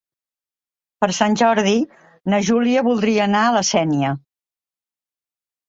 Per Sant Jordi na Júlia voldria anar a la Sénia.